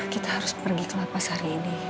kita harus pergi ke lapas hari ini